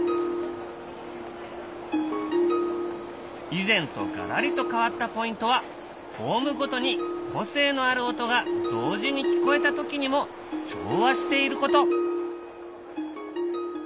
以前とガラリと変わったポイントはホームごとに個性のある音が同時に聞こえた時にも調和していること。